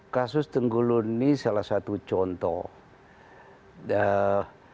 kasus tenggulun ini salah satu contoh